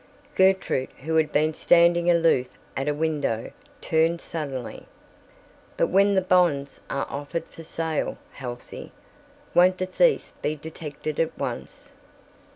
Gertrude, who had been standing aloof at a window, turned suddenly. "But when the bonds are offered for sale, Halsey, won't the thief be detected at once?"